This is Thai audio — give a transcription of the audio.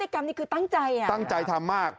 กรรมนี้คือตั้งใจตั้งใจทำมาก